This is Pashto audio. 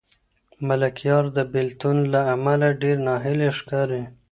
ملکیار د بېلتون له امله ډېر ناهیلی ښکاري.